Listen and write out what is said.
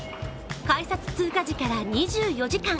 改札通過時から２４時間